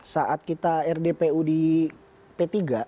saat kita rdpu di p tiga